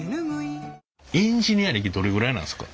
エンジニア歴どれぐらいなんですか？